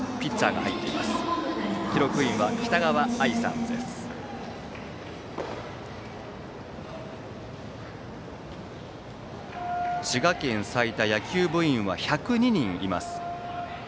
近江高校は滋賀県最多野球部員が１０２人います。